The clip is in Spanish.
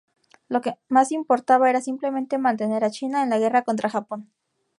Lo que más importaba era simplemente mantener a China en la guerra contra Japón.